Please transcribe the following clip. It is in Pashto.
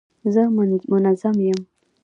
زه منظم یم.